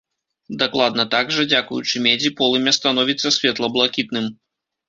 Дакладна так жа, дзякуючы медзі полымя становіцца светла-блакітным.